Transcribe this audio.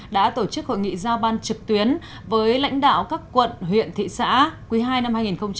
đã tổ chức hội nghị giao ban trực tuyến với lãnh đạo các quận huyện thị xã quý ii năm hai nghìn hai mươi